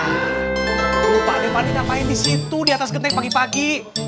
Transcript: lupa adik adik ngapain disitu di atas genteng pagi pagi